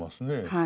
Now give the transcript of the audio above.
はい。